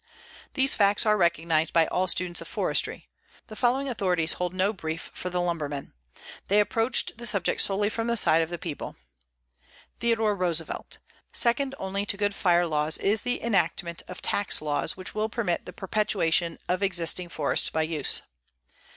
These facts are recognized by all students of forestry. The following authorities hold no brief for the lumberman. They approached the subject solely from the side of the people: Theodore Roosevelt: "Second only to good fire laws is the enactment of tax laws which will permit the perpetuation of existing forests by use."